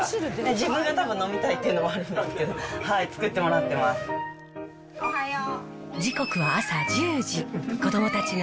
自分がたぶん飲みたいっていうのもあるんですけど、作ってもらっ時刻は朝１０時。